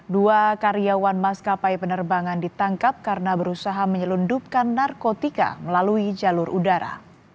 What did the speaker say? dua karyawan maskapai penerbangan ditangkap karena berusaha menyelundupkan narkotika melalui jalur udara